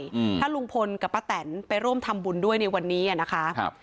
อืมถ้าลุงพลกับป้าแตนไปร่วมทำบุญด้วยในวันนี้อ่ะนะคะครับ